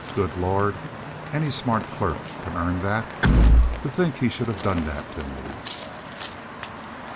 Good Lord! Any smart clerk can earn that. To think he should have done that to me!"